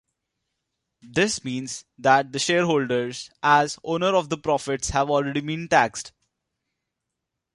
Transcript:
This means that the shareholders, as owners of the profits, have already been taxed.